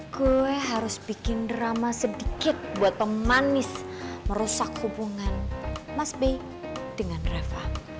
gue harus bikin drama sedikit buat pemanis merusak hubungan mas bey dengan reva